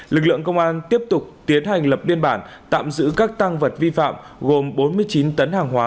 lực lượng công an tiếp tục tiến hành lập biên bản tạm giữ các tăng vật vi phạm gồm bốn mươi chín tấn hàng hóa